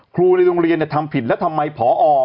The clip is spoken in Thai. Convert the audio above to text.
ครูในโรงเรียนเนี่ยทำผิดแล้วทำไมพอ